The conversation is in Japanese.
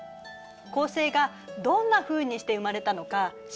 恒星がどんなふうにして生まれたのか知ってる？